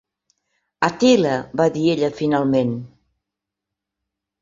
"Attila," va dir ella finalment.